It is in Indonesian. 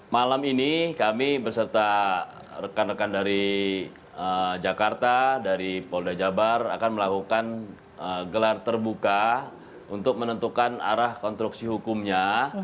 malam ini kami berserta rekan rekan dari jakarta dari polda jabar akan melakukan gelar terbuka untuk menentukan arah konstruksi hukumnya